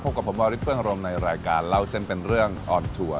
กับผมวาริสเฟื้องอารมณ์ในรายการเล่าเส้นเป็นเรื่องออนทัวร์